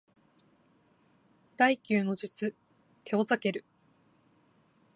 第九の術テオザケル